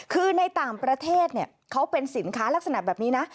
คือในต่างประเทศเขาเป็นสินค้าลักษณะแบบนี้นะ